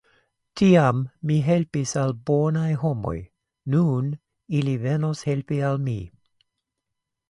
Tiam mi helpis al bonaj homoj, nun ili venos helpi al mi!